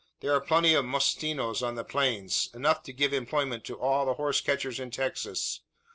There are plenty of mustenos on the plains enough to give employment to all the horse catchers in Texas.